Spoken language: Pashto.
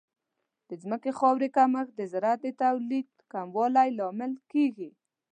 د ځمکې خاورې کمښت د زراعت د تولید کموالی لامل کیږي.